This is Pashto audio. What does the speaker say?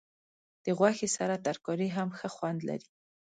د غوښې سره ترکاري هم ښه خوند لري.